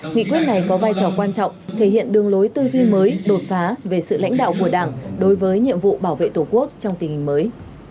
nghị quyết này có vai trò quan trọng thể hiện đường lối tư duy mới đột phá về sự lãnh đạo của đảng đối với nhiệm vụ bảo vệ tổ quốc trong tình hình mới